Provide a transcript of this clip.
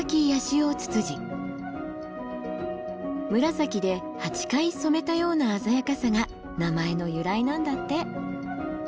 紫で８回染めたような鮮やかさが名前の由来なんだって。